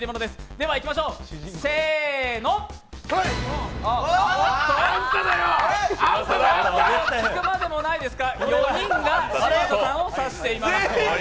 ではいきましょう、せーの聞くまでもないですか４人が嶋佐さんを差しています。